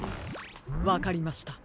わかりました。